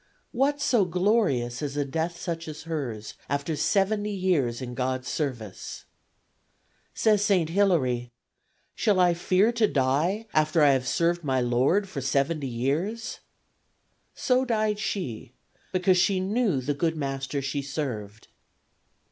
What so glorious as a death such as hers after 70 years in God's service. Says St. Hilary, 'Shall I fear to die after I have served my Lord for 70 years?' So died she, because she knew the good Master she served.